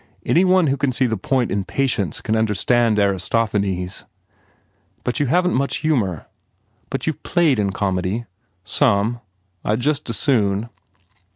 Any one who can see the point in Patience can under stand Aristophanes. ... But you haven t much humour. But you ve played in comedy?" "Some. I d just as soon."